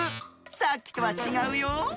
さっきとはちがうよ。